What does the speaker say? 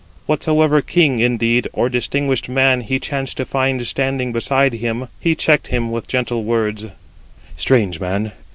Whatsoever king, indeed, or distinguished man he chanced to find standing beside him, he checked him with gentle words: "Strange man!